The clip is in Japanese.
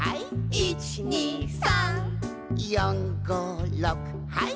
「１２３」「４５６はい」